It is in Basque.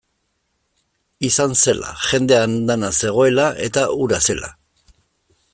Izan zela, jende andana zegoela eta hura zela.